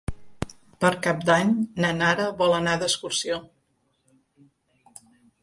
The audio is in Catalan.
Per Cap d'Any na Nara vol anar d'excursió.